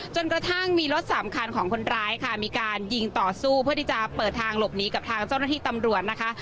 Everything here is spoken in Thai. จนกระทั่งมีรถสามคันของคนร้ายค่ะมีการยิงต่อสู้เพื่อที่จะเปิดทางหลบหนีกับทางเจ้าหน้าที่ตำรวจนะคะ